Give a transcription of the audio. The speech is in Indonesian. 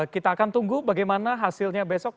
kita akan tunggu bagaimana hasilnya besok